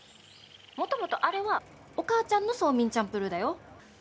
もともとあれはお母ちゃんのソーミンチャンプルーだよ。